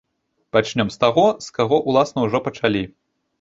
Пачнём з таго, з каго, уласна, ужо пачалі.